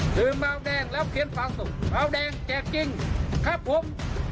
ชื่อเมาแดงรับเขียนฝากสุขเมาแดงแจกจริงครับผม